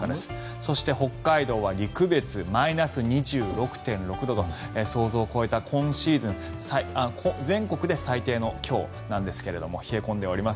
そして北海道は陸別、マイナス２６．６度と想像を超えた全国で最低の今日なんですが冷え込んでおります。